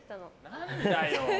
何だよ。